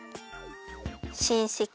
しんせき。